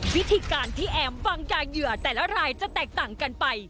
วิธีการที่แอมฟังยาเหยื่อแต่ละรายจะแตกต่างกันไป